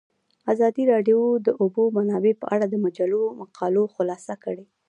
ازادي راډیو د د اوبو منابع په اړه د مجلو مقالو خلاصه کړې.